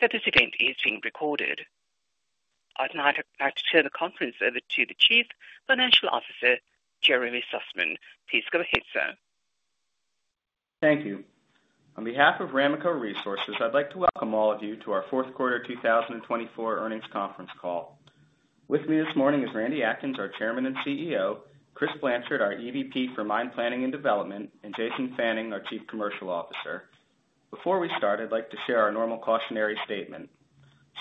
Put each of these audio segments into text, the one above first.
Note that this event is being recorded. I'd now like to turn the conference over to the Chief Financial Officer, Jeremy Sussman. Please go ahead. Thank you. On behalf of Ramaco Resources, I'd like to welcome all of you to our fourth quarter 2024 earnings conference call. With me this morning is Randy Atkins, our Chairman and CEO, Chris Blanchard, our EVP for Mine Planning and Development, and Jason Fannin, our Chief Commercial Officer. Before we start, I'd like to share our normal cautionary statement.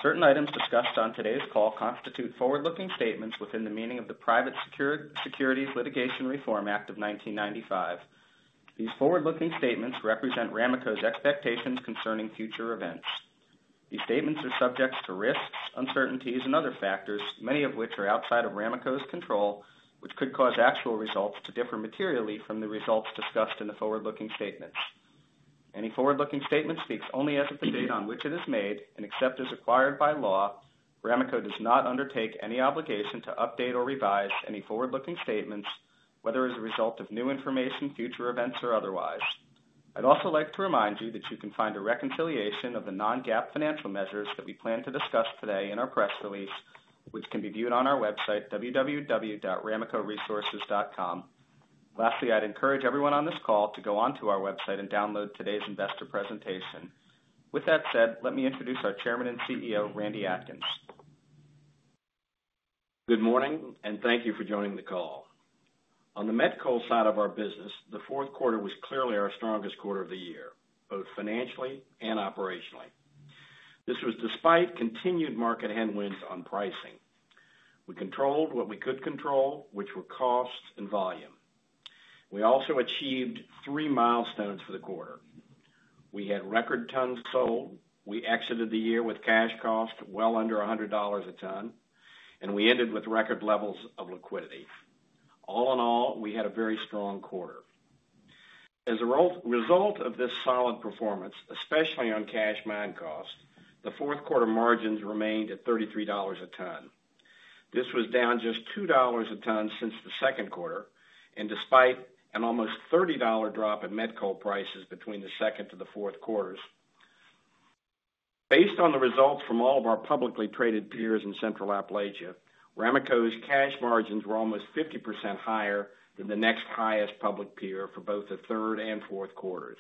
Certain items discussed on today's call constitute forward-looking statements within the meaning of the Private Securities Litigation Reform Act of 1995. These forward-looking statements represent Ramaco's expectations concerning future events. These statements are subject to risks, uncertainties, and other factors, many of which are outside of Ramaco's control, which could cause actual results to differ materially from the results discussed in the forward-looking statements. Any forward-looking statement speaks only as of the date on which it is made and except as required by law. Ramaco does not undertake any obligation to update or revise any forward-looking statements, whether as a result of new information, future events, or otherwise. I'd also like to remind you that you can find a reconciliation of the Non-GAAP financial measures that we plan to discuss today in our press release, which can be viewed on our website, www.ramacoresources.com. Lastly, I'd encourage everyone on this call to go onto our website and download today's investor presentation. With that said, let me introduce our Chairman and CEO, Randy Atkins. Good morning, and thank you for joining the call. On the met coal side of our business, the fourth quarter was clearly our strongest quarter of the year, both financially and operationally. This was despite continued market headwinds on pricing. We controlled what we could control, which were costs and volume. We also achieved three milestones for the quarter. We had record tons sold. We exited the year with cash cost well under $100 a ton, and we ended with record levels of liquidity. All in all, we had a very strong quarter. As a result of this solid performance, especially on cash mine cost, the fourth quarter margins remained at $33 a ton. This was down just $2 a ton since the second quarter, and despite an almost $30 drop in met coal prices between the second and the fourth quarters. Based on the results from all of our publicly traded peers in Central Appalachia, Ramaco's cash margins were almost 50% higher than the next highest public peer for both the third and fourth quarters.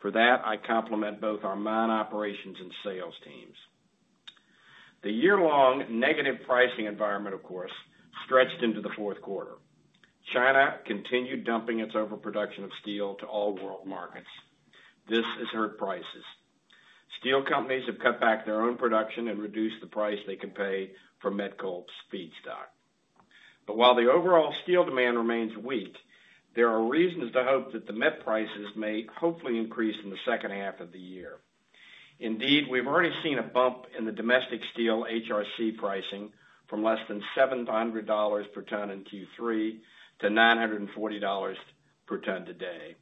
For that, I compliment both our mine operations and sales teams. The year-long negative pricing environment, of course, stretched into the fourth quarter. China continued dumping its overproduction of steel to all world markets. This has hurt prices. Steel companies have cut back their own production and reduced the price they can pay for met coal's feedstock. While the overall steel demand remains weak, there are reasons to hope that the met prices may hopefully increase in the second half of the year. Indeed, we've already seen a bump in the domestic steel HRC pricing from less than $700 per ton in Q3 to $940 per ton today.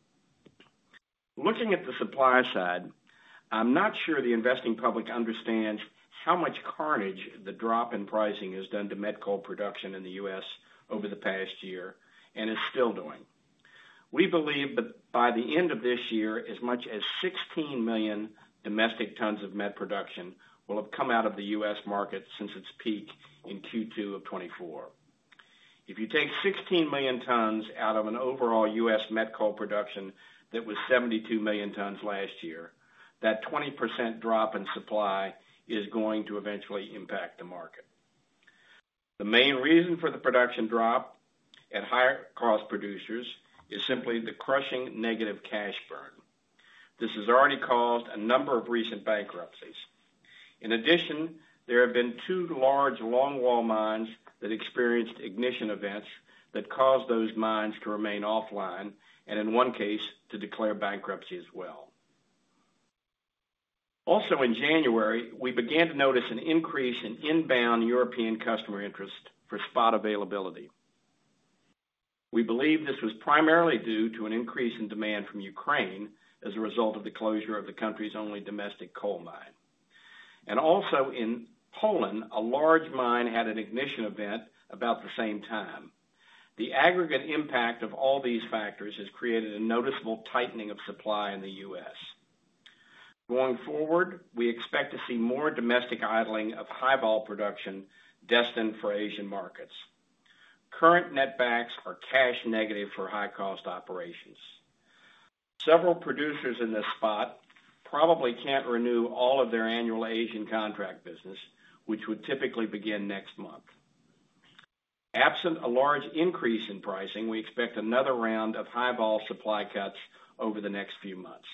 Looking at the supply side, I'm not sure the investing public understands how much carnage the drop in pricing has done to met coal production in the U.S. over the past year and is still doing. We believe that by the end of this year, as much as 16 million domestic tons of met production will have come out of the U.S. market since its peak in Q2 of 2024. If you take 16 million tons out of an overall U.S. met coal production that was 72 million tons last year, that 20% drop in supply is going to eventually impact the market. The main reason for the production drop at higher cost producers is simply the crushing negative cash burn. This has already caused a number of recent bankruptcies. In addition, there have been two large longwall mines that experienced ignition events that caused those mines to remain offline and, in one case, to declare bankruptcy as well. Also, in January, we began to notice an increase in inbound European customer interest for spot availability. We believe this was primarily due to an increase in demand from Ukraine as a result of the closure of the country's only domestic coal mine. Also in Poland, a large mine had an ignition event about the same time. The aggregate impact of all these factors has created a noticeable tightening of supply in the U.S. Going forward, we expect to see more domestic idling of high-vol production destined for Asian markets. Current netbacks are cash negative for high-cost operations. Several producers in this spot probably can't renew all of their annual Asian contract business, which would typically begin next month. Absent a large increase in pricing, we expect another round of high-vol supply cuts over the next few months.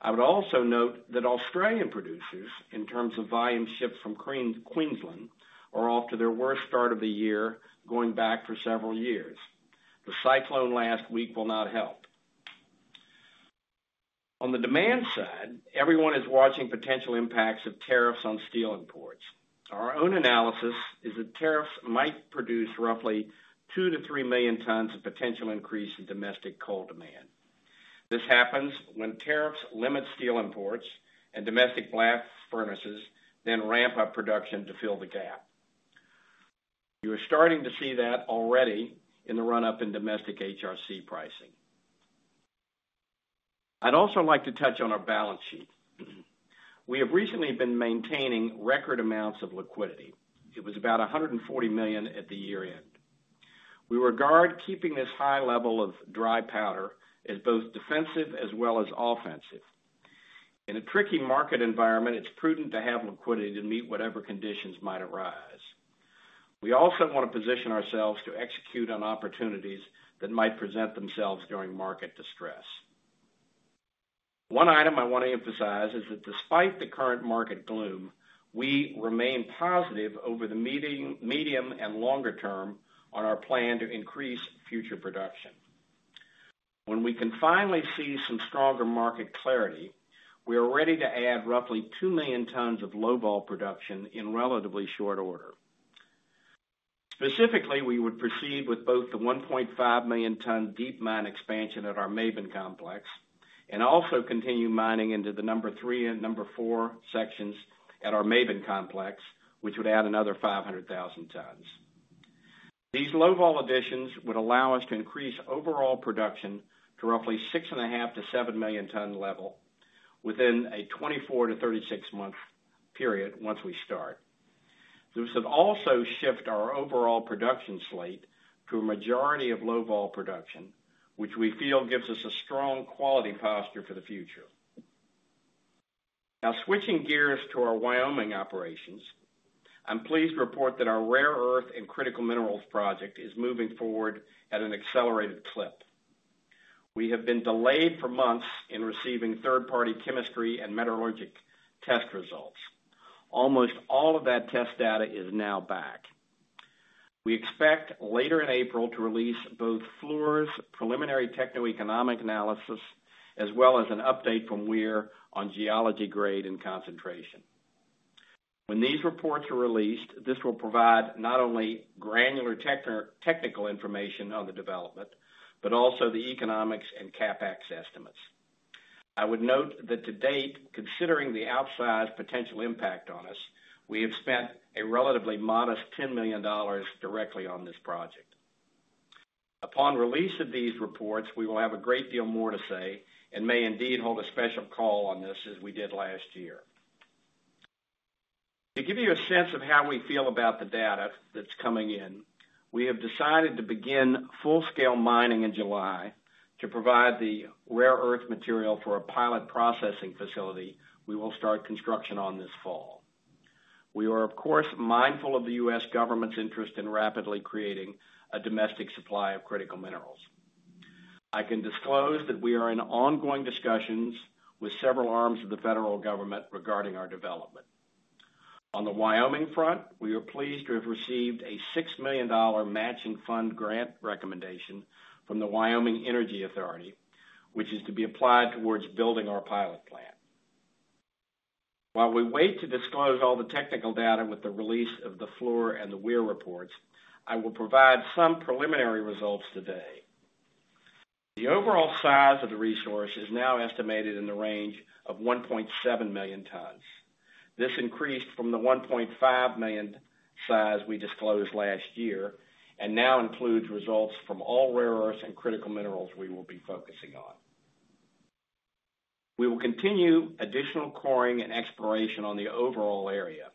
I would also note that Australian producers, in terms of volume shipped from Queensland, are off to their worst start of the year, going back for several years. The cyclone last week will not help. On the demand side, everyone is watching potential impacts of tariffs on steel imports. Our own analysis is that tariffs might produce roughly 2 million-3 million tons of potential increase in domestic coal demand. This happens when tariffs limit steel imports and domestic blast furnaces then ramp up production to fill the gap. You are starting to see that already in the run-up in domestic HRC pricing. I'd also like to touch on our balance sheet. We have recently been maintaining record amounts of liquidity. It was about $140 million at the year end. We regard keeping this high level of dry powder as both defensive as well as offensive. In a tricky market environment, it's prudent to have liquidity to meet whatever conditions might arise. We also want to position ourselves to execute on opportunities that might present themselves during market distress. One item I want to emphasize is that despite the current market gloom, we remain positive over the medium and longer term on our plan to increase future production. When we can finally see some stronger market clarity, we are ready to add roughly 2 million tons of low-vol production in relatively short order. Specifically, we would proceed with both the 1.5 million-ton deep mine expansion at our Maben complex and also continue mining into the number three and number four sections at our Maben complex, which would add another 500,000 tons. These low-vol additions would allow us to increase overall production to roughly 6.5 million-7 million-ton level within a 24-36 month period once we start. This would also shift our overall production slate to a majority of low-vol production, which we feel gives us a strong quality posture for the future. Now, switching gears to our Wyoming operations, I'm pleased to report that our rare earth and critical minerals project is moving forward at an accelerated clip. We have been delayed for months in receiving third-party chemistry and metallurgic test results. Almost all of that test data is now back. We expect later in April to release both Fluor's preliminary techno-economic analysis as well as an update from Weir on geology grade and concentration. When these reports are released, this will provide not only granular technical information on the development but also the economics and CapEx estimates. I would note that to date, considering the outsized potential impact on us, we have spent a relatively modest $10 million directly on this project. Upon release of these reports, we will have a great deal more to say and may indeed hold a special call on this as we did last year. To give you a sense of how we feel about the data that is coming in, we have decided to begin full-scale mining in July to provide the rare earth material for a pilot processing facility we will start construction on this fall. We are, of course, mindful of the U.S. government's interest in rapidly creating a domestic supply of critical minerals. I can disclose that we are in ongoing discussions with several arms of the federal government regarding our development. On the Wyoming front, we are pleased to have received a $6 million matching fund grant recommendation from the Wyoming Energy Authority, which is to be applied towards building our pilot plant. While we wait to disclose all the technical data with the release of the Fluor and the Weir reports, I will provide some preliminary results today. The overall size of the resource is now estimated in the range of 1.7 million tons. This increased from the 1.5 million size we disclosed last year and now includes results from all rare earth and critical minerals we will be focusing on. We will continue additional coring and exploration on the overall area.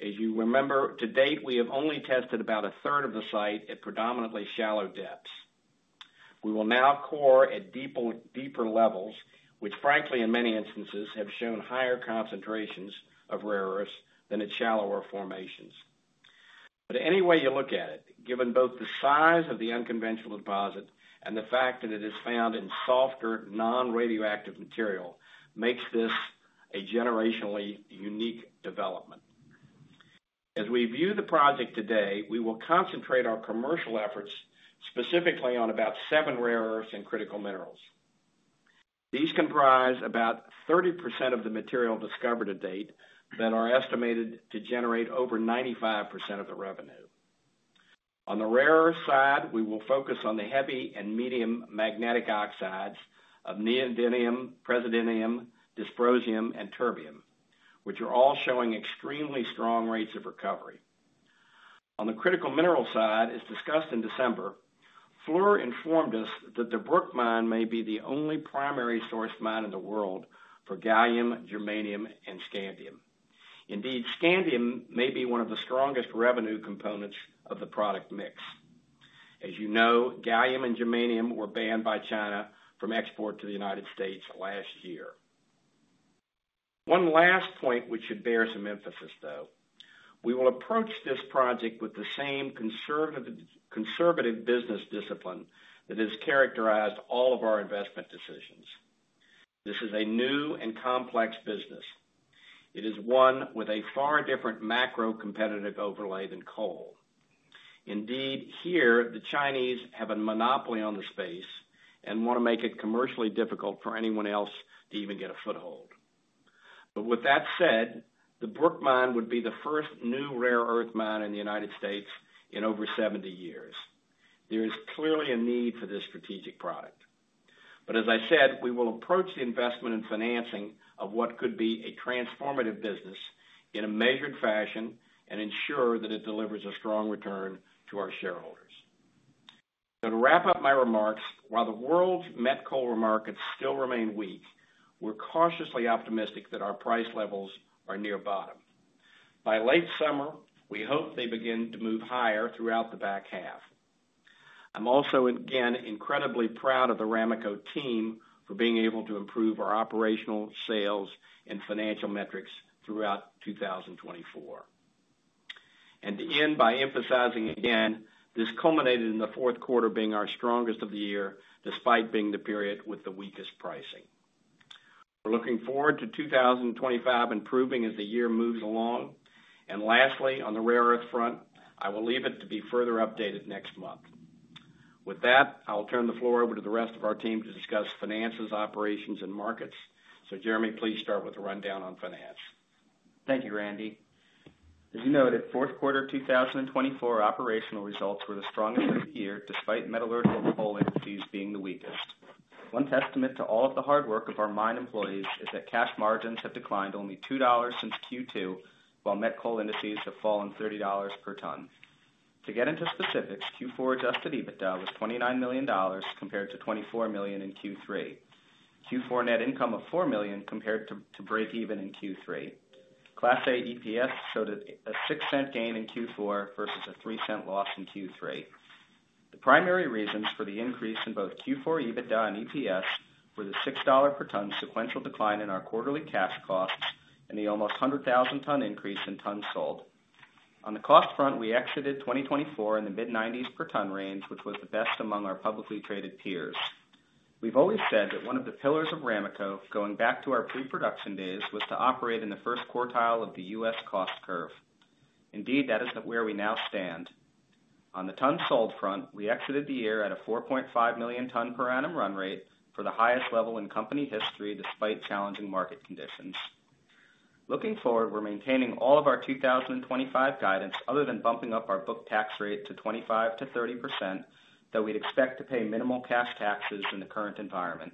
As you remember, to date, we have only tested about a third of the site at predominantly shallow depths. We will now core at deeper levels, which, frankly, in many instances, have shown higher concentrations of rare earth than at shallower formations. Any way you look at it, given both the size of the unconventional deposit and the fact that it is found in softer, non-radioactive material, makes this a generationally unique development. As we view the project today, we will concentrate our commercial efforts specifically on about seven rare earth and critical minerals. These comprise about 30% of the material discovered to date that are estimated to generate over 95% of the revenue. On the rare earth side, we will focus on the heavy and medium magnetic oxides of neodymium, praseodymium, dysprosium, and terbium, which are all showing extremely strong rates of recovery. On the critical mineral side, as discussed in December, Fluor informed us that the Brook mine may be the only primary source mine in the world for gallium, germanium, and scandium. Indeed, scandium may be one of the strongest revenue components of the product mix. As you know, gallium and germanium were banned by China from export to the United States last year. One last point which should bear some emphasis, though, we will approach this project with the same conservative business discipline that has characterized all of our investment decisions. This is a new and complex business. It is one with a far different macro-competitive overlay than coal. Indeed, here, the Chinese have a monopoly on the space and want to make it commercially difficult for anyone else to even get a foothold. With that said, the Brook mine would be the first new rare earth mine in the United States in over 70 years. There is clearly a need for this strategic product. As I said, we will approach the investment and financing of what could be a transformative business in a measured fashion and ensure that it delivers a strong return to our shareholders. To wrap up my remarks, while the world's met coal markets still remain weak, we're cautiously optimistic that our price levels are near bottom. By late summer, we hope they begin to move higher throughout the back half. I'm also again incredibly proud of the Ramaco team for being able to improve our operational, sales, and financial metrics throughout 2024. To end by emphasizing again, this culminated in the fourth quarter being our strongest of the year despite being the period with the weakest pricing. We're looking forward to 2025 improving as the year moves along. Lastly, on the rare earth front, I will leave it to be further updated next month. With that, I'll turn the floor over to the rest of our team to discuss finances, operations, and markets. Jeremy, please start with a rundown on finance. Thank you, Randy. As you noted, fourth quarter 2024 operational results were the strongest of the year despite metallurgical coal indices being the weakest. One testament to all of the hard work of our mine employees is that cash margins have declined only $2 since Q2, while met coal indices have fallen $30 per ton. To get into specifics, Q4 Adjusted EBITDA was $29 million compared to $24 million in Q3. Q4 net income of $4 million compared to break-even in Q3. Class A EPS showed a $0.06 gain in Q4 versus a $0.03 loss in Q3. The primary reasons for the increase in both Q4 EBITDA and EPS were the $6 per ton sequential decline in our quarterly cash costs and the almost 100,000-ton increase in tons sold. On the cost front, we exited 2024 in the mid-$90s per ton range, which was the best among our publicly traded peers. We've always said that one of the pillars of Ramaco, going back to our pre-production days, was to operate in the first quartile of the U.S. cost curve. Indeed, that is where we now stand. On the ton sold front, we exited the year at a 4.5 million-ton per annum run rate for the highest level in company history despite challenging market conditions. Looking forward, we're maintaining all of our 2025 guidance other than bumping up our book tax rate to 25-30%, though we'd expect to pay minimal cash taxes in the current environment.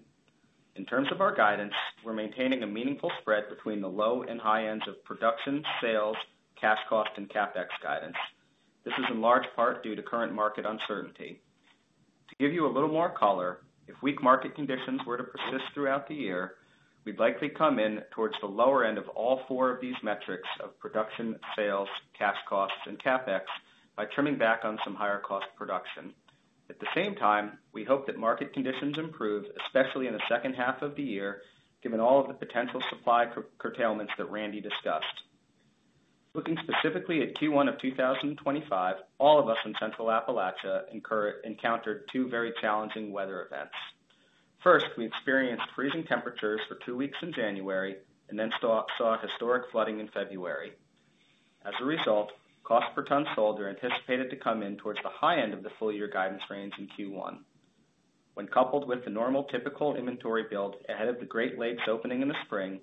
In terms of our guidance, we're maintaining a meaningful spread between the low and high ends of production, sales, cash cost, and CapEx guidance. This is in large part due to current market uncertainty. To give you a little more color, if weak market conditions were to persist throughout the year, we'd likely come in towards the lower end of all four of these metrics of production, sales, cash costs, and CapEx by trimming back on some higher-cost production. At the same time, we hope that market conditions improve, especially in the second half of the year, given all of the potential supply curtailments that Randy discussed. Looking specifically at Q1 of 2025, all of us in Central Appalachia encountered two very challenging weather events. First, we experienced freezing temperatures for two weeks in January and then saw historic flooding in February. As a result, cost per ton sold are anticipated to come in towards the high end of the full-year guidance range in Q1. When coupled with the normal typical inventory build ahead of the Great Lakes opening in the spring,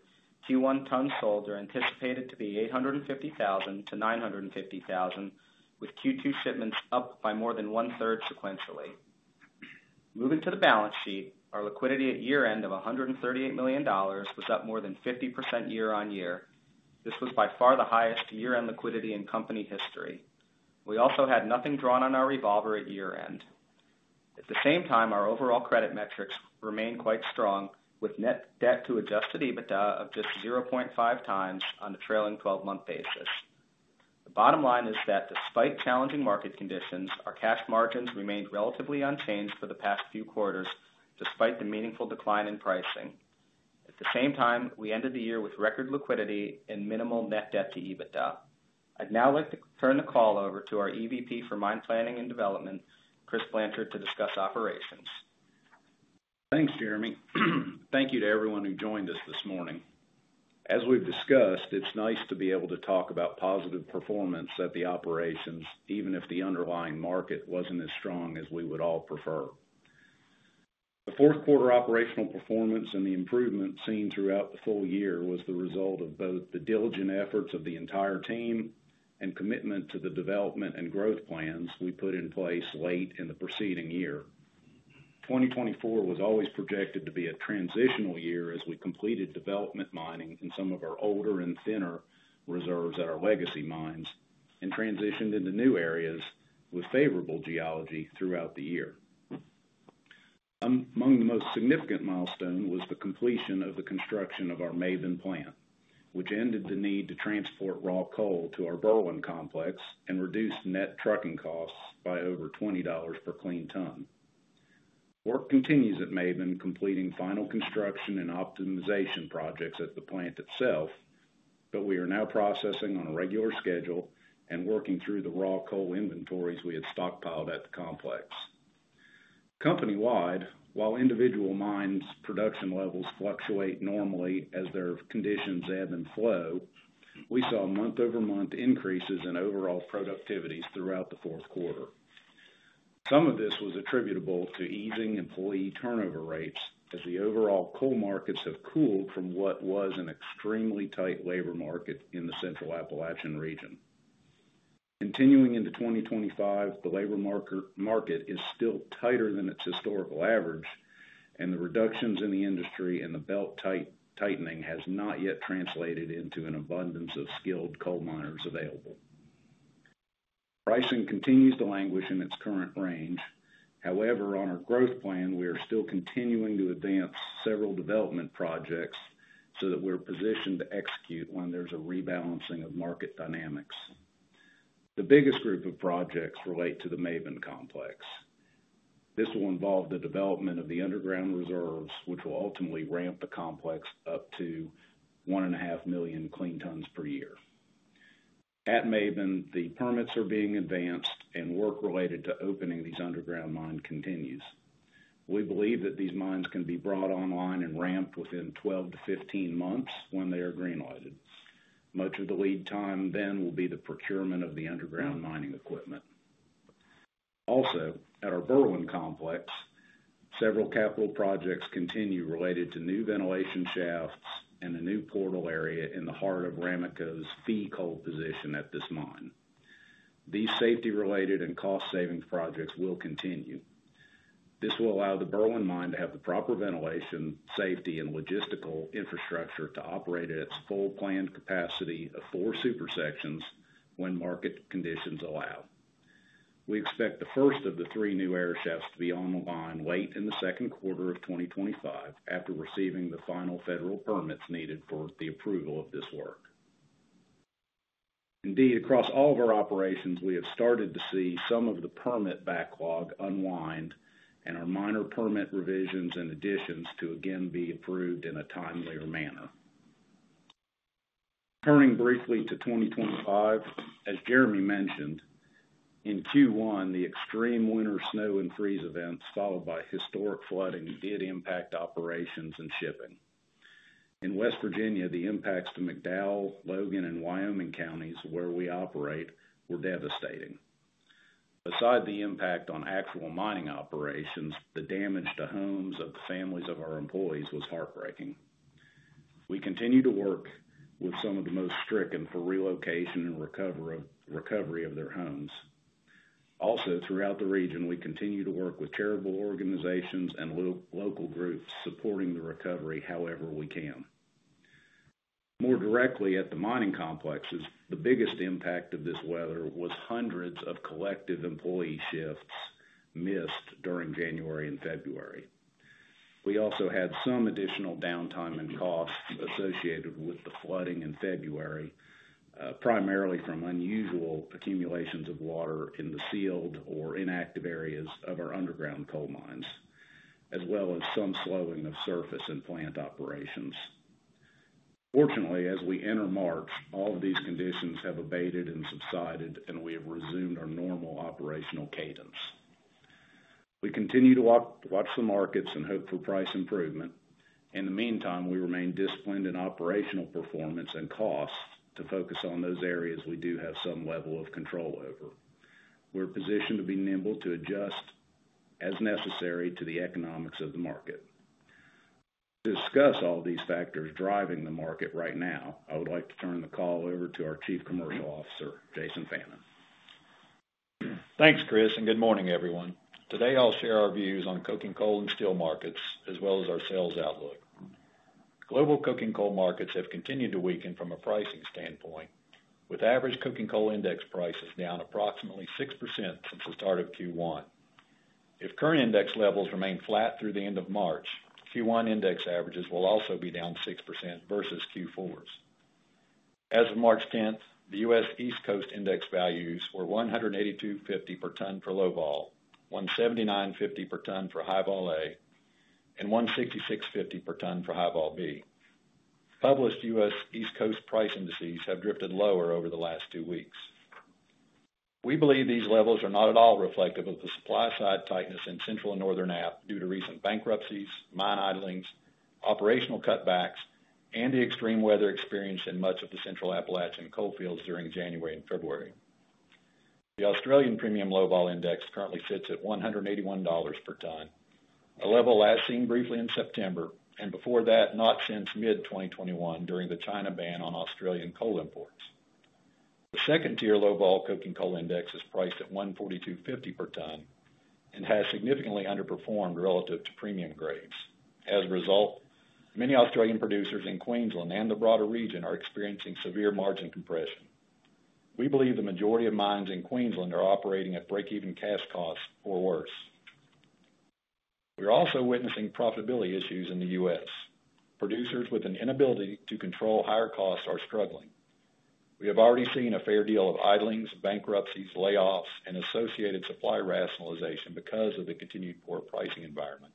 Q1 ton sold are anticipated to be 850,000-950,000, with Q2 shipments up by more than one-third sequentially. Moving to the balance sheet, our liquidity at year-end of $138 million was up more than 50% year-on-year. This was by far the highest year-end liquidity in company history. We also had nothing drawn on our revolver at year-end. At the same time, our overall credit metrics remain quite strong, with net debt to Adjusted EBITDA of just 0.5 times on a trailing 12-month basis. The bottom line is that despite challenging market conditions, our cash margins remained relatively unchanged for the past few quarters despite the meaningful decline in pricing. At the same time, we ended the year with record liquidity and minimal net debt to EBITDA. I'd now like to turn the call over to our EVP for Mine Planning and Development, Chris Blanchard, to discuss operations. Thanks, Jeremy. Thank you to everyone who joined us this morning. As we've discussed, it's nice to be able to talk about positive performance at the operations, even if the underlying market wasn't as strong as we would all prefer. The fourth quarter operational performance and the improvement seen throughout the full year was the result of both the diligent efforts of the entire team and commitment to the development and growth plans we put in place late in the preceding year. 2024 was always projected to be a transitional year as we completed development mining in some of our older and thinner reserves at our legacy mines and transitioned into new areas with favorable geology throughout the year. Among the most significant milestones was the completion of the construction of our Maben plant, which ended the need to transport raw coal to our Berwind complex and reduced net trucking costs by over $20 per clean ton. Work continues at Maben, completing final construction and optimization projects at the plant itself, but we are now processing on a regular schedule and working through the raw coal inventories we had stockpiled at the complex. Company-wide, while individual mines' production levels fluctuate normally as their conditions ebb and flow, we saw month-over-month increases in overall productivity throughout the fourth quarter. Some of this was attributable to easing employee turnover rates as the overall coal markets have cooled from what was an extremely tight labor market in the Central Appalachian region. Continuing into 2025, the labor market is still tighter than its historical average, and the reductions in the industry and the belt tightening have not yet translated into an abundance of skilled coal miners available. Pricing continues to languish in its current range. However, on our growth plan, we are still continuing to advance several development projects so that we're positioned to execute when there's a rebalancing of market dynamics. The biggest group of projects relates to the Maben complex. This will involve the development of the underground reserves, which will ultimately ramp the complex up to 1.5 million clean tons per year. At Maben, the permits are being advanced, and work related to opening these underground mines continues. We believe that these mines can be brought online and ramped within 12-15 months when they are greenlighted. Much of the lead time then will be the procurement of the underground mining equipment. Also, at our Berwind complex, several capital projects continue related to new ventilation shafts and a new portal area in the heart of Ramaco's fee coal position at this mine. These safety-related and cost-saving projects will continue. This will allow the Berwind mine to have the proper ventilation, safety, and logistical infrastructure to operate at its full planned capacity of four super sections when market conditions allow. We expect the first of the three new air shafts to be online late in the second quarter of 2025 after receiving the final federal permits needed for the approval of this work. Indeed, across all of our operations, we have started to see some of the permit backlog unwind and our minor permit revisions and additions to again be approved in a timelier manner. Turning briefly to 2025, as Jeremy mentioned, in Q1, the extreme winter snow and freeze events followed by historic flooding did impact operations and shipping. In West Virginia, the impacts to McDowell, Logan, and Wyoming counties, where we operate, were devastating. Beside the impact on actual mining operations, the damage to homes of the families of our employees was heartbreaking. We continue to work with some of the most stricken for relocation and recovery of their homes. Also, throughout the region, we continue to work with charitable organizations and local groups supporting the recovery however we can. More directly at the mining complexes, the biggest impact of this weather was hundreds of collective employee shifts missed during January and February. We also had some additional downtime and costs associated with the flooding in February, primarily from unusual accumulations of water in the sealed or inactive areas of our underground coal mines, as well as some slowing of surface and plant operations. Fortunately, as we enter March, all of these conditions have abated and subsided, and we have resumed our normal operational cadence. We continue to watch the markets and hope for price improvement. In the meantime, we remain disciplined in operational performance and costs to focus on those areas we do have some level of control over. We're positioned to be nimble to adjust as necessary to the economics of the market. To discuss all these factors driving the market right now, I would like to turn the call over to our Chief Commercial Officer, Jason Fannin. Thanks, Chris, and good morning, everyone. Today, I'll share our views on coking coal and steel markets as well as our sales outlook. Global coking coal markets have continued to weaken from a pricing standpoint, with average coking coal index prices down approximately 6% since the start of Q1. If current index levels remain flat through the end of March, Q1 index averages will also be down 6% versus Q4's. As of March 10th, the U.S. East Coast index values were $182.50 per ton for Low Vol, $179.50 per ton for High Vol A, and $166.50 per ton for High Vol B. Published U.S. East Coast price indices have drifted lower over the last two weeks. We believe these levels are not at all reflective of the supply-side tightness in Central and Northern App due to recent bankruptcies, mine idlings, operational cutbacks, and the extreme weather experienced in much of the Central Appalachian coal fields during January and February. The Australian Premium Low Vol Index currently sits at $181 per ton, a level last seen briefly in September and before that, not since mid-2021 during the China ban on Australian coal imports. The second-tier Low Vol coking coal index is priced at $142.50 per ton and has significantly underperformed relative to premium grades. As a result, many Australian producers in Queensland and the broader region are experiencing severe margin compression. We believe the majority of mines in Queensland are operating at break-even cash costs or worse. We're also witnessing profitability issues in the U.S. Producers with an inability to control higher costs are struggling. We have already seen a fair deal of idlings, bankruptcies, layoffs, and associated supply rationalization because of the continued poor pricing environment.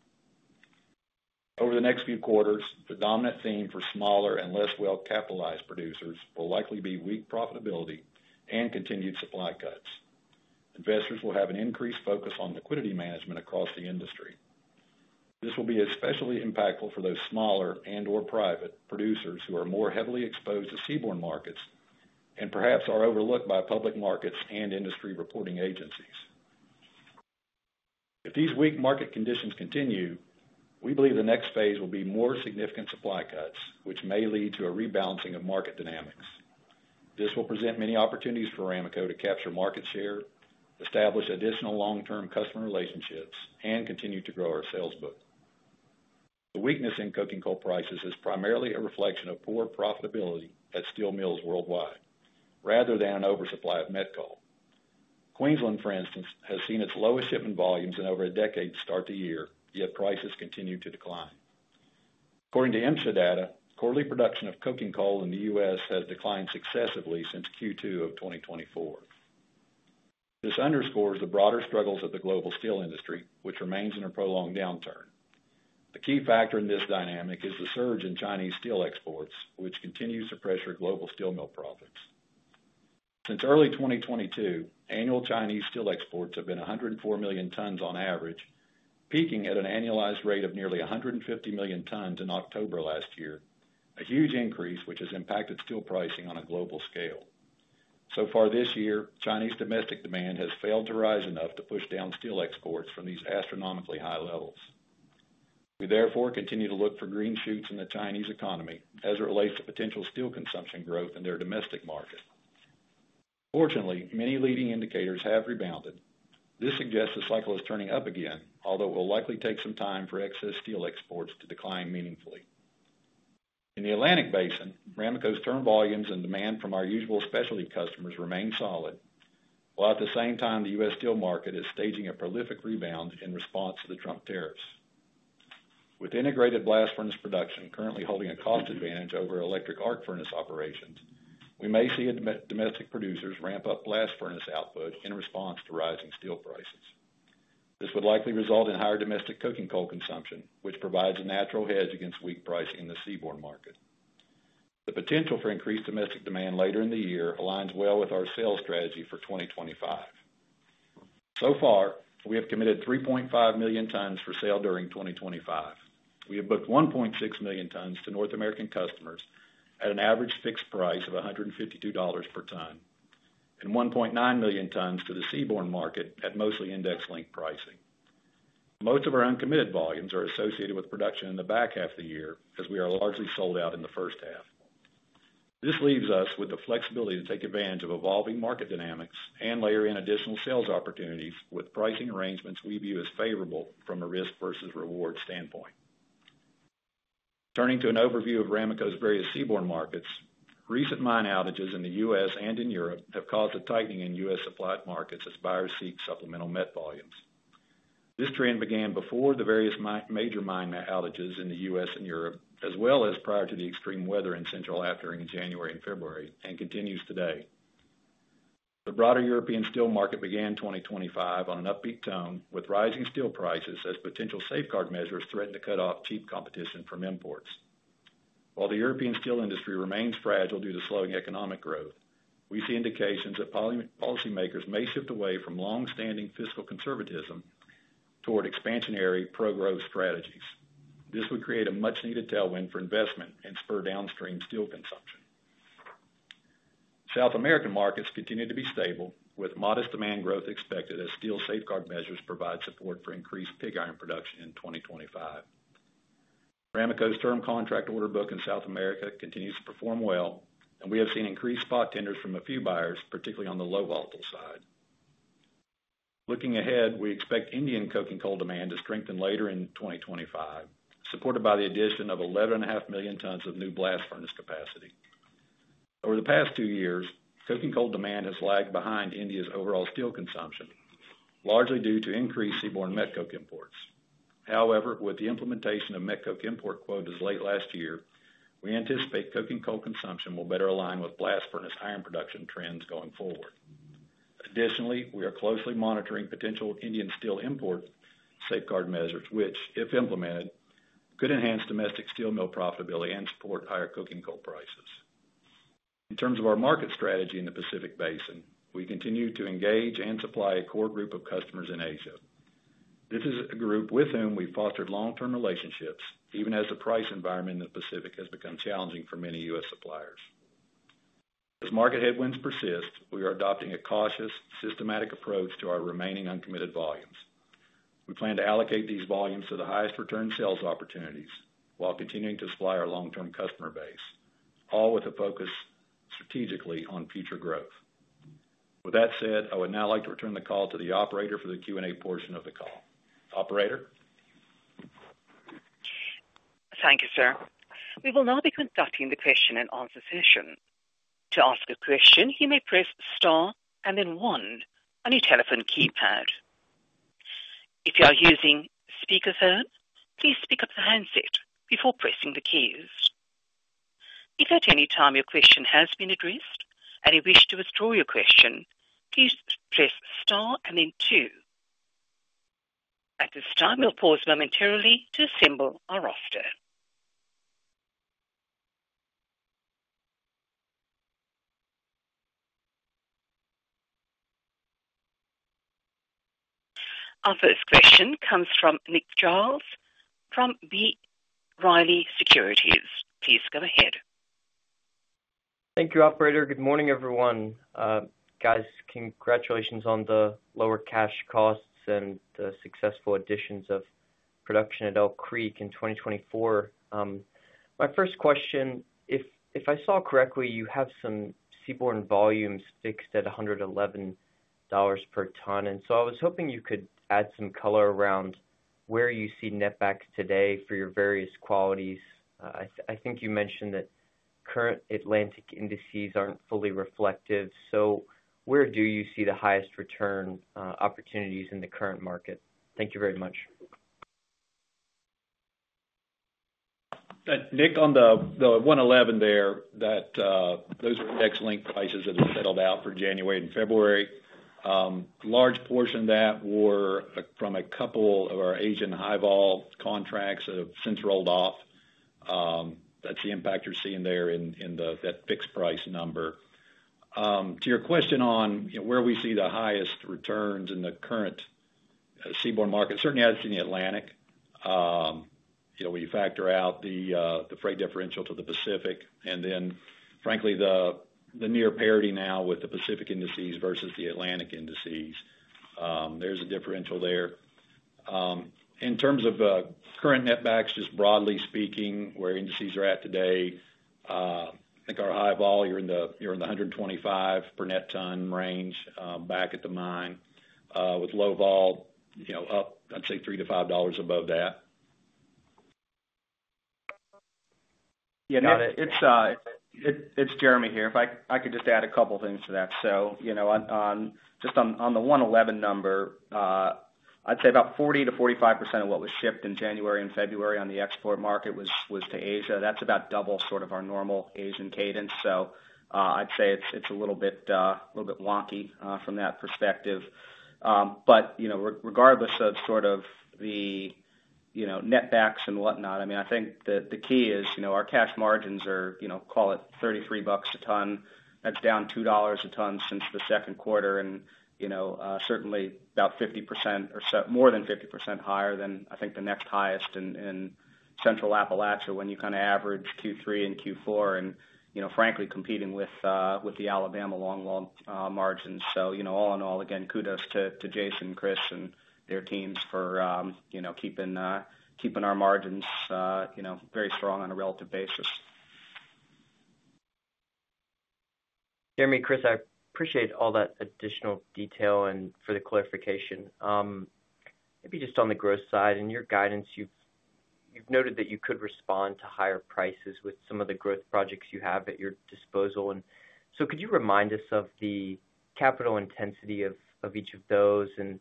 Over the next few quarters, the dominant theme for smaller and less well-capitalized producers will likely be weak profitability and continued supply cuts. Investors will have an increased focus on liquidity management across the industry. This will be especially impactful for those smaller and/or private producers who are more heavily exposed to seaborne markets and perhaps are overlooked by public markets and industry reporting agencies. If these weak market conditions continue, we believe the next phase will be more significant supply cuts, which may lead to a rebalancing of market dynamics. This will present many opportunities for Ramaco to capture market share, establish additional long-term customer relationships, and continue to grow our sales book. The weakness in coking coal prices is primarily a reflection of poor profitability at steel mills worldwide rather than an oversupply of met coal. Queensland, for instance, has seen its lowest shipment volumes in over a decade to start the year, yet prices continue to decline. According to MSHA data, quarterly production of coking coal in the U.S. has declined successively since Q2 of 2024. This underscores the broader struggles of the global steel industry, which remains in a prolonged downturn. A key factor in this dynamic is the surge in Chinese steel exports, which continues to pressure global steel mill profits. Since early 2022, annual Chinese steel exports have been 104 million tons on average, peaking at an annualized rate of nearly 150 million tons in October last year, a huge increase which has impacted steel pricing on a global scale. So far this year, Chinese domestic demand has failed to rise enough to push down steel exports from these astronomically high levels. We therefore continue to look for green shoots in the Chinese economy as it relates to potential steel consumption growth in their domestic market. Fortunately, many leading indicators have rebounded. This suggests the cycle is turning up again, although it will likely take some time for excess steel exports to decline meaningfully. In the Atlantic Basin, Ramaco's term volumes and demand from our usual specialty customers remain solid, while at the same time, the U.S. steel market is staging a prolific rebound in response to the Trump tariffs. With integrated blast furnace production currently holding a cost advantage over electric arc furnace operations, we may see domestic producers ramp up blast furnace output in response to rising steel prices. This would likely result in higher domestic coking coal consumption, which provides a natural hedge against weak pricing in the seaborne market. The potential for increased domestic demand later in the year aligns well with our sales strategy for 2025. So far, we have committed 3.5 million tons for sale during 2025. We have booked 1.6 million tons to North American customers at an average fixed price of $152 per ton and 1.9 million tons to the seaborne market at mostly index-linked pricing. Most of our uncommitted volumes are associated with production in the back half of the year as we are largely sold out in the first half. This leaves us with the flexibility to take advantage of evolving market dynamics and layer in additional sales opportunities with pricing arrangements we view as favorable from a risk versus reward standpoint. Turning to an overview of Ramaco's various seaborne markets, recent mine outages in the U.S. and in Europe have caused a tightening in U.S. supply markets as buyers seek supplemental met volumes. This trend began before the various major mine outages in the U.S. and Europe, as well as prior to the extreme weather in Central Appalachia in January and February, and continues today. The broader European steel market began 2025 on an upbeat tone with rising steel prices as potential safeguard measures threaten to cut off cheap competition from imports. While the European steel industry remains fragile due to slowing economic growth, we see indications that policymakers may shift away from long-standing fiscal conservatism toward expansionary pro-growth strategies. This would create a much-needed tailwind for investment and spur downstream steel consumption. South American markets continue to be stable, with modest demand growth expected as steel safeguard measures provide support for increased pig iron production in 2025. Ramaco's term contract order book in South America continues to perform well, and we have seen increased spot tenders from a few buyers, particularly on the low volatile side. Looking ahead, we expect Indian coking coal demand to strengthen later in 2025, supported by the addition of 11.5 million tons of new blast furnace capacity. Over the past two years, coking coal demand has lagged behind India's overall steel consumption, largely due to increased seaborne met coal imports. However, with the implementation of met coal import quotas late last year, we anticipate coking coal consumption will better align with blast furnace iron production trends going forward. Additionally, we are closely monitoring potential Indian steel import safeguard measures, which, if implemented, could enhance domestic steel mill profitability and support higher coking coal prices. In terms of our market strategy in the Pacific Basin, we continue to engage and supply a core group of customers in Asia. This is a group with whom we've fostered long-term relationships, even as the price environment in the Pacific has become challenging for many U.S. suppliers. As market headwinds persist, we are adopting a cautious, systematic approach to our remaining uncommitted volumes. We plan to allocate these volumes to the highest return sales opportunities while continuing to supply our long-term customer base, all with a focus strategically on future growth. With that said, I would now like to return the call to the operator for the Q&A portion of the call. Operator? Thank you, sir. We will now be conducting the question-and-answer session. To ask a question, you may press Star and then one on your telephone keypad. If you are using speakerphone, please pick up the handset before pressing the keys. If at any time your question has been addressed and you wish to withdraw your question, please press Star and then two. At this time, we'll pause momentarily to assemble our roster. Our first question comes from Nick Giles from B. Riley Securities. Please go ahead. Thank you, Operator. Good morning, everyone. Guys, congratulations on the lower cash costs and the successful additions of production at Elk Creek in 2024. My first question, if I saw correctly, you have some seaborne volumes fixed at $111 per ton, and so I was hoping you could add some color around where you see netbacks today for your various qualities. I think you mentioned that current Atlantic indices aren't fully reflective, so where do you see the highest return opportunities in the current market? Thank you very much. Nick, on the 111 there, those are index-linked prices that have settled out for January and February. A large portion of that were from a couple of our Asian high vol contracts that have since rolled off. That's the impact you're seeing there in that fixed price number. To your question on, you know, where we see the highest returns in the current seaborne market, certainly as you see in the Atlantic. You know, when you factor out the freight differential to the Pacific, and then, frankly, the near parity now with the Pacific indices versus the Atlantic indices, there's a differential there. In terms of current netbacks, just broadly speaking, where indices are at today, I think our high vol, you're in the $125 per net ton range, back at the mine, with Low Vol, you know, up, I'd say, $3-$5 above that. Yeah, not it. It's Jeremy here. If I could just add a couple of things to that. You know, just on the 111 number, I'd say about 40%-45% of what was shipped in January and February on the export market was to Asia. That's about double sort of our normal Asian cadence. I'd say it's a little bit, a little bit wonky from that perspective. But, you know, regardless of sort of the netbacks and whatnot, I mean, I think the key is, you know, our cash margins are, you know, call it $33 a ton. That's down $2 a ton since the second quarter, and, you know, certainly about 50% or so, more than 50% higher than, I think, the next highest in Central Appalachia when you kind of average Q3 and Q4 and, you know, frankly, competing with the Alabama longwall margins. All in all, again, kudos to Jason and Chris and their teams for keeping our margins, you know, very strong on a relative basis. Jeremy, Chris, I appreciate all that additional detail and for the clarification. Maybe just on the growth side and your guidance, you've noted that you could respond to higher prices with some of the growth projects you have at your disposal. Could you remind us of the capital intensity of each of those and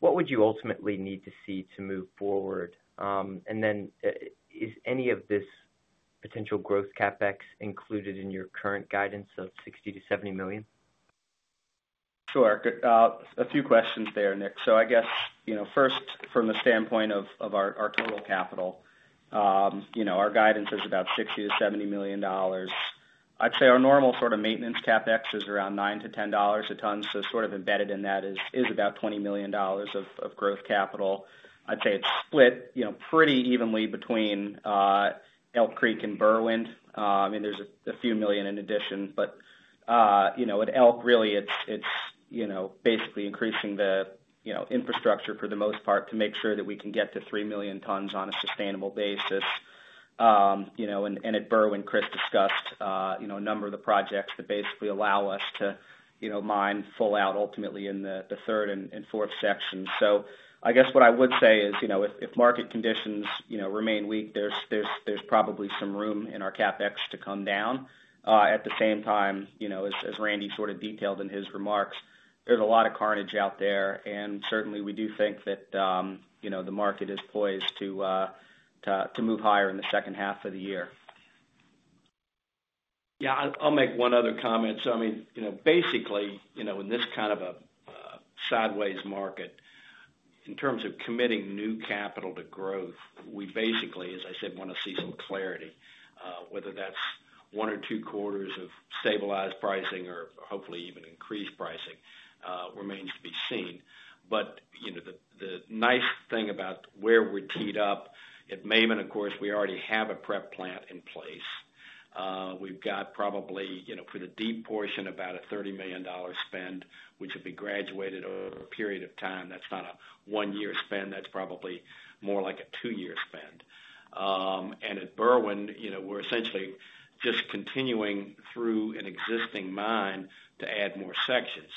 what would you ultimately need to see to move forward? Is any of this potential growth CapEx included in your current guidance of $60 million-$70 million? Sure. Good, a few questions there, Nick. I guess, first, from the standpoint of our total capital, our guidance is about $60 million-$70 million. I'd say our normal sort of maintenance CapEx is around $9-$10 a ton. Embedded in that is about $20 million of growth capital. I'd say it's split pretty evenly between Elk Creek and Berwind. I mean, there's a few million in addition, but, you know, at Elk, really, it's, it's, you know, basically increasing the, you know, infrastructure for the most part to make sure that we can get to 3 million tons on a sustainable basis. You know, and at Berwind, Chris discussed, you know, a number of the projects that basically allow us to, you know, mine full out ultimately in the third and fourth section. I guess what I would say is, you know, if market conditions, you know, remain weak, there's probably some room in our CapEx to come down. At the same time, you know, as Randy sort of detailed in his remarks, there's a lot of carnage out there, and certainly we do think that, you know, the market is poised to move higher in the second half of the year. Yeah, I'll make one other comment. I mean, you know, basically, you know, in this kind of a sideways market, in terms of committing new capital to growth, we basically, as I said, want to see some clarity, whether that's one or two quarters of stabilized pricing or hopefully even increased pricing, remains to be seen. The nice thing about where we're teed up at Maben, of course, we already have a prep plant in place. We've got probably, you know, for the deep portion, about a $30 million spend, which will be graduated over a period of time. That's not a one-year spend. That's probably more like a two-year spend. At Berwind, you know, we're essentially just continuing through an existing mine to add more sections.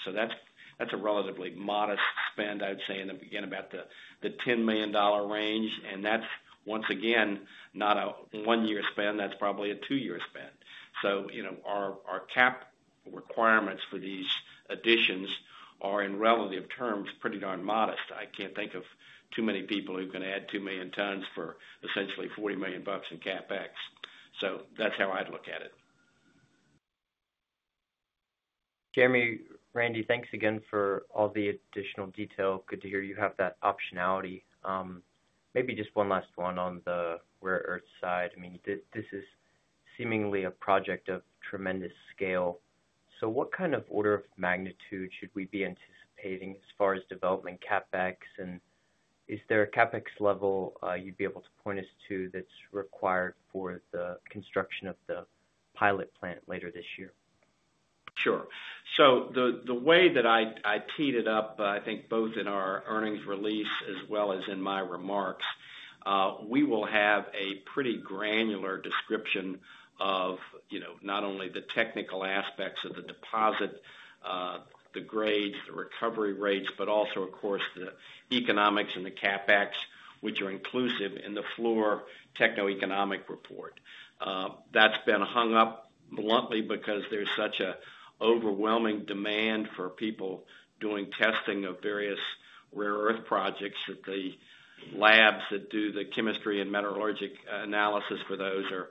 That's a relatively modest spend, I'd say, in the beginning about the $10 million range. That's, once again, not a one-year spend. That's probably a two-year spend. You know, our CapEx requirements for these additions are in relative terms pretty darn modest. I can't think of too many people who can add 2 million tons for essentially $40 million in CapEx. That's how I'd look at it. Jeremy, Randy, thanks again for all the additional detail. Good to hear you have that optionality. Maybe just one last one on the rare earth side. I mean, this is seemingly a project of tremendous scale. What kind of order of magnitude should we be anticipating as far as development CapEx? Is there a CapEx level you'd be able to point us to that's required for the construction of the pilot plant later this year? Sure. The way that I teed it up, I think both in our earnings release as well as in my remarks, we will have a pretty granular description of, you know, not only the technical aspects of the deposit, the grades, the recovery rates, but also, of course, the economics and the CapEx, which are inclusive in the Fluor techno-economic report. that's been hung up bluntly because there's such an overwhelming demand for people doing testing of various rare earth projects that the labs that do the chemistry and metallurgic analysis for those are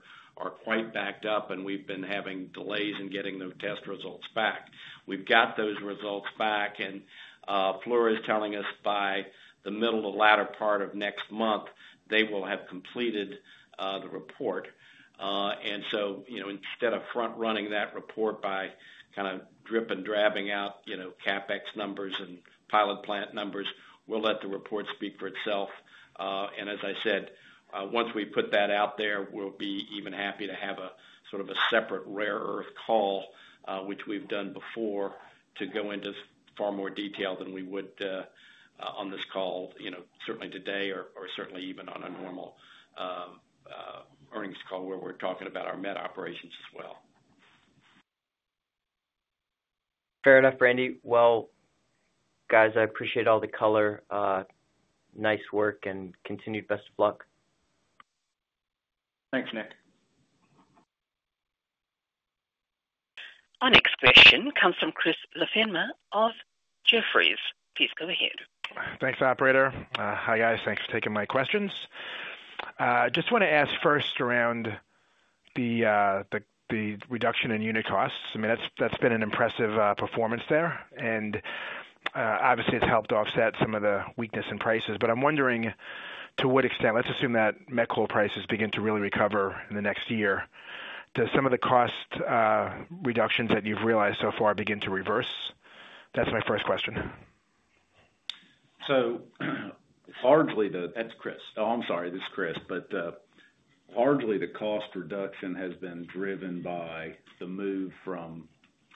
quite backed up, and we've been having delays in getting those test results back. We've got those results back, and Fluor is telling us by the middle of the latter part of next month, they will have completed the report. and so, you know, instead of front-running that report by kind of dripping and drabbing out, you know, CapEx numbers and pilot plant numbers, we'll let the report speak for itself. and as I said, once we put that out there, we'll be even happy to have a sort of a separate rare earth call, which we've done before to go into far more detail than we would, on this call, you know, certainly today or, or certainly even on a normal earnings call where we're talking about our met operations as well. Fair enough, Randy. Guys, I appreciate all the color, nice work, and continued best of luck. Thanks, Nick. Our next question comes from Chris LaFemina of Jefferies. Please go ahead. Thanks, Operator. Hi guys. Thanks for taking my questions. just want to ask first around the, the, the reduction in unit costs. I mean, that's, that's been an impressive performance there. And, obviously, it's helped offset some of the weakness in prices. I'm wondering to what extent, let's assume that met coal prices begin to really recover in the next year, does some of the cost reductions that you've realized so far begin to reverse? That's my first question. Largely the—that's Chris. Oh, I'm sorry, this is Chris. Largely the cost reduction has been driven by the move from,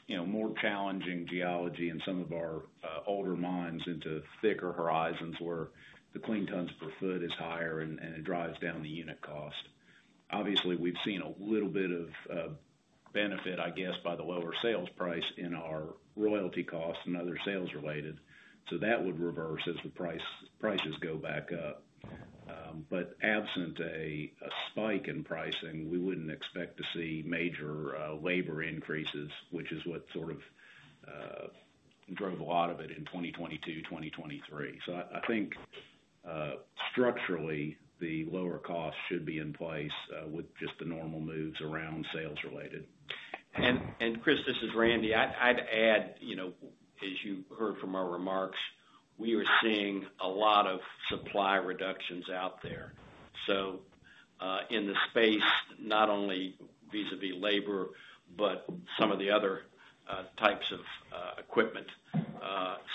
you know, more challenging geology in some of our older mines into thicker horizons where the clean tons per foot is higher and it drives down the unit cost. Obviously, we've seen a little bit of benefit, I guess, by the lower sales price in our royalty costs and other sales related. That would reverse as the prices go back up. Absent a spike in pricing, we would not expect to see major labor increases, which is what sort of drove a lot of it in 2022, 2023. I think, structurally, the lower cost should be in place, with just the normal moves around sales related. Chris, this is Randy. I would add, you know, as you heard from our remarks, we are seeing a lot of supply reductions out there. In the space, not only vis-à-vis labor, but some of the other types of equipment,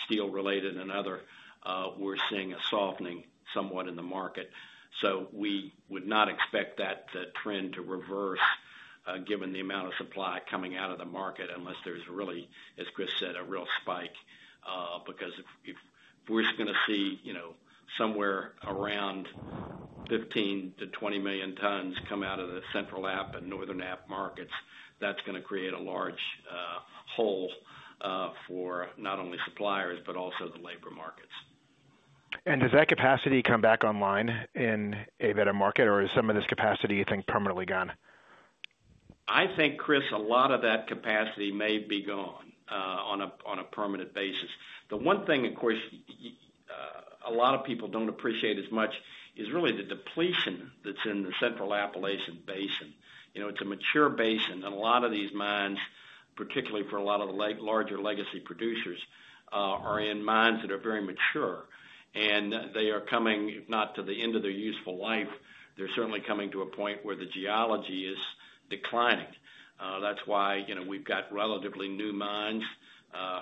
steel related and other, we are seeing a softening somewhat in the market. We would not expect that trend to reverse, given the amount of supply coming out of the market, unless there is really, as Chris said, a real spike, because if we are just going to see, you know, somewhere around 15-20 million tons come out of the Central App and Northern App markets, that is going to create a large hole for not only suppliers, but also the labor markets. Does that capacity come back online in a better market, or is some of this capacity, you think, permanently gone? I think, Chris, a lot of that capacity may be gone on a permanent basis. The one thing, of course, a lot of people do not appreciate as much is really the depletion that is in the Central Appalachian Basin. You know, it's a mature basin, and a lot of these mines, particularly for a lot of the larger legacy producers, are in mines that are very mature, and they are coming, if not to the end of their useful life, they're certainly coming to a point where the geology is declining. That's why, you know, we've got relatively new mines,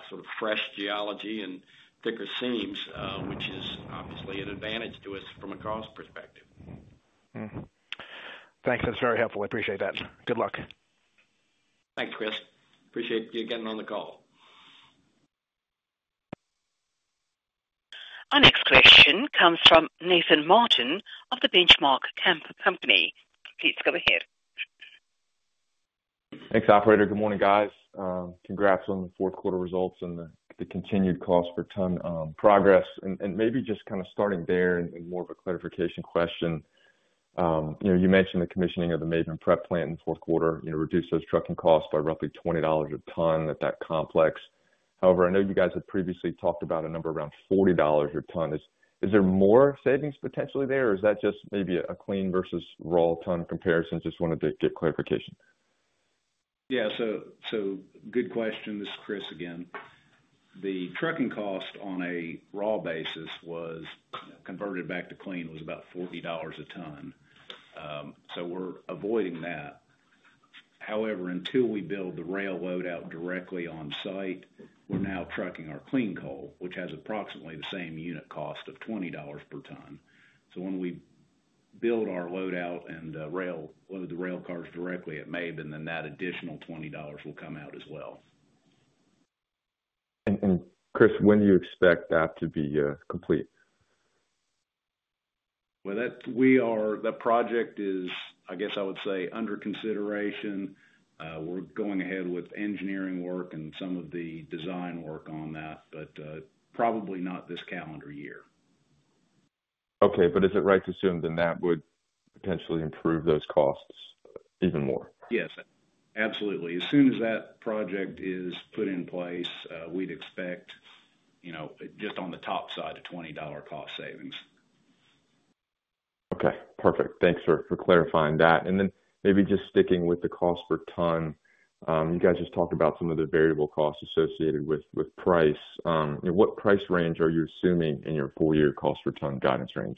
sort of fresh geology and thicker seams, which is obviously an advantage to us from a cost perspective. Thanks. That's very helpful. I appreciate that. Good luck. Thanks, Chris. Appreciate you getting on the call. Our next question comes from Nathan Martin of The Benchmark Company. Please go ahead. Thanks, Operator. Good morning, guys. Congrats on the fourth quarter results and the, the continued cost per ton progress. Maybe just kind of starting there and more of a clarification question. You know, you mentioned the commissioning of the Maben prep plant in the fourth quarter, you know, reduced those trucking costs by roughly $20 a ton at that complex. However, I know you guys had previously talked about a number around $40 a ton. Is, is there more savings potentially there, or is that just maybe a clean versus raw ton comparison? Just wanted to get clarification. Yeah. So, good question. This is Chris again. The trucking cost on a raw basis was converted back to clean was about $40 a ton. So we are avoiding that. However, until we build the rail load out directly on site, we are now trucking our clean coal, which has approximately the same unit cost of $20 per ton. When we build our load out and rail load the rail cars directly at Maben, then that additional $20 will come out as well. Chris, when do you expect that to be complete? The project is, I guess I would say, under consideration. We are going ahead with engineering work and some of the design work on that, but probably not this calendar year. Okay. Is it right to assume then that would potentially improve those costs even more? Yes, absolutely. As soon as that project is put in place, we would expect, you know, just on the top side to $20 cost savings. Okay. Perfect. Thanks for clarifying that. Maybe just sticking with the cost per ton, you guys just talked about some of the variable costs associated with price. You know, what price range are you assuming in your full year cost per ton guidance range?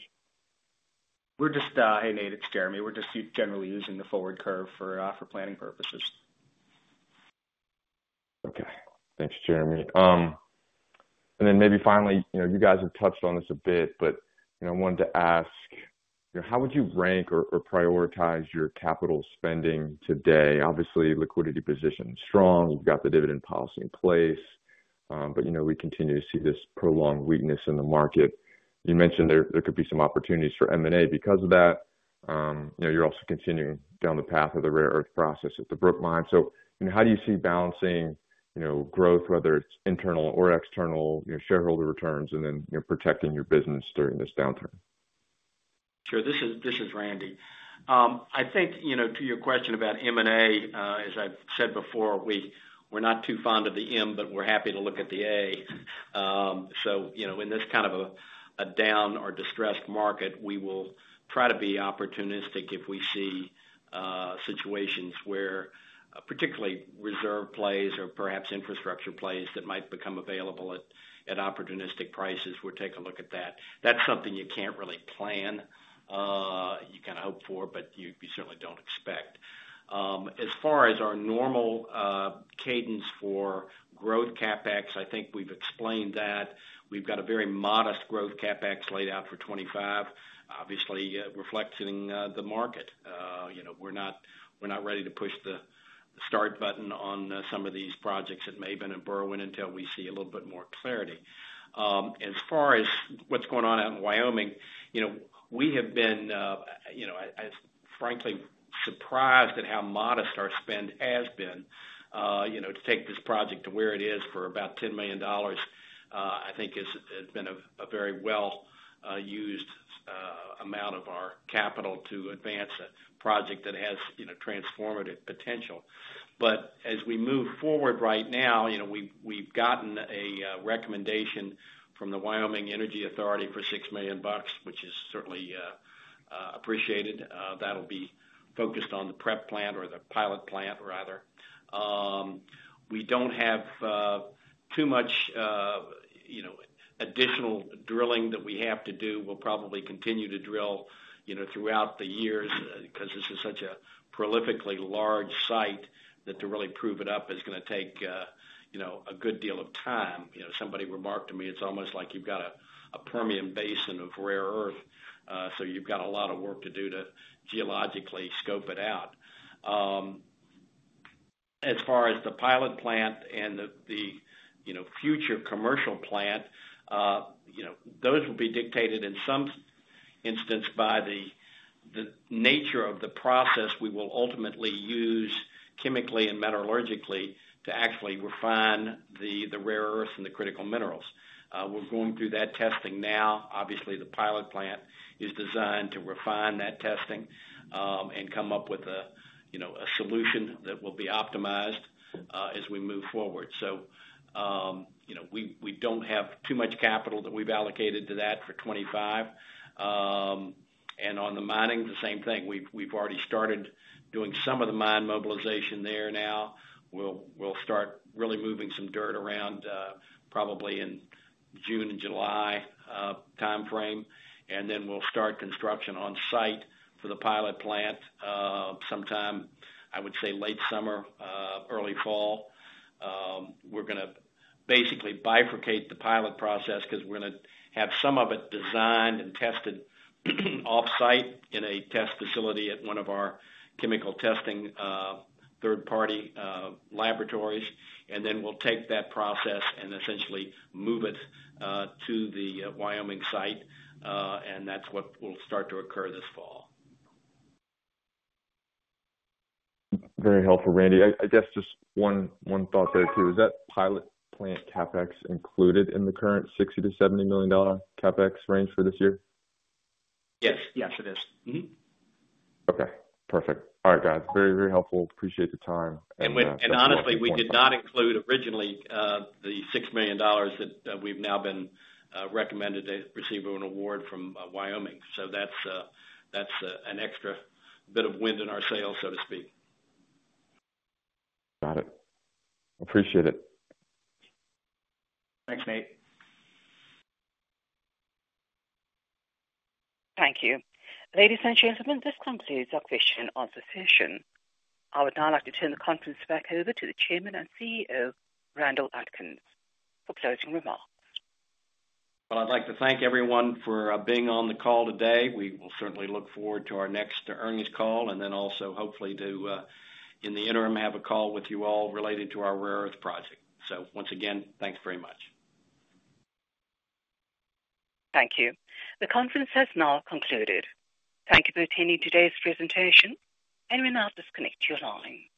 We're just, hey, Nate, it's Jeremy. We're just generally using the forward curve for planning purposes. Okay. Thanks, Jeremy. And then maybe finally, you know, you guys have touched on this a bit, but, you know, I wanted to ask, you know, how would you rank or prioritize your capital spending today? Obviously, liquidity position strong. You've got the dividend policy in place. But, you know, we continue to see this prolonged weakness in the market. You mentioned there could be some opportunities for M&A because of that. You know, you're also continuing down the path of the rare earth process at the Brook Mine. So, you know, how do you see balancing, you know, growth, whether it's internal or external, you know, shareholder returns, and then, you know, protecting your business during this downturn? Sure. This is Randy. I think, you know, to your question about M&A, as I've said before, we're not too fond of the M, but we're happy to look at the A. You know, in this kind of a down or distressed market, we will try to be opportunistic if we see situations where, particularly reserve plays or perhaps infrastructure plays that might become available at opportunistic prices, we'll take a look at that. That's something you can't really plan, you can hope for, but you certainly don't expect. As far as our normal cadence for growth CapEx, I think we've explained that. We've got a very modest growth CapEx laid out for 2025, obviously, reflecting the market. You know, we're not ready to push the start button on some of these projects at Maben and Berwind until we see a little bit more clarity. As far as what's going on out in Wyoming, you know, we have been, you know, I frankly am surprised at how modest our spend has been. You know, to take this project to where it is for about $10 million, I think has been a very well used amount of our capital to advance a project that has, you know, transformative potential. As we move forward right now, you know, we've gotten a recommendation from the Wyoming Energy Authority for $6 million, which is certainly appreciated. That will be focused on the prep plant or the pilot plant rather. We do not have too much, you know, additional drilling that we have to do. We'll probably continue to drill, you know, throughout the years because this is such a prolifically large site that to really prove it up is going to take, you know, a good deal of time. You know, somebody remarked to me, it's almost like you've got a, a Permian Basin of rare earth, so you've got a lot of work to do to geologically scope it out. As far as the pilot plant and the, the, you know, future commercial plant, you know, those will be dictated in some instance by the, the nature of the process we will ultimately use chemically and metallurgically to actually refine the, the rare earth and the critical minerals. We're going through that testing now. Obviously, the pilot plant is designed to refine that testing, and come up with a, you know, a solution that will be optimized, as we move forward. You know, we do not have too much capital that we have allocated to that for 2025. On the mining, the same thing. We have already started doing some of the mine mobilization there now. We will start really moving some dirt around, probably in June and July timeframe. Then we will start construction on site for the pilot plant, sometime, I would say late summer, early fall. We are going to basically bifurcate the pilot process because we are going to have some of it designed and tested offsite in a test facility at one of our chemical testing third party laboratories. Then we will take that process and essentially move it to the Wyoming site. That is what will start to occur this fall. Very helpful, Randy. I guess just one thought there too. Is that pilot plant CapEx included in the current $60 million-$70 million CapEx range for this year? Yes. Yes, it is. Okay. Perfect. All right, guys. Very, very helpful. Appreciate the time. And honestly, we did not include originally the $6 million that we've now been recommended to receive an award from Wyoming. So that's an extra bit of wind in our sails, so to speak. Got it. Appreciate it. Thanks, Nate. Thank you. Ladies and gentlemen, this concludes our question and answer session. I would now like to turn the conference back over to the Chairman and CEO, Randall Atkins, for closing remarks. I would like to thank everyone for being on the call today. We will certainly look forward to our next earnings call and then also hopefully to, in the interim, have a call with you all related to our rare earth project. Once again, thanks very much. Thank you. The conference has now concluded. Thank you for attending today's presentation, and we now disconnect your lines.